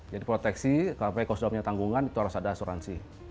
jadi proteksi kalau punya tanggungan itu harus ada asuransi